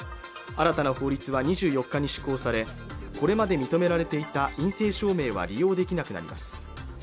新たな法律は２４日に施行されこれまで認められていた陰性証明は利用できなくなります